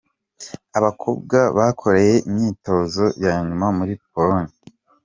Abakobwa bakoreye imyitozo ya nyuma muri Pologne.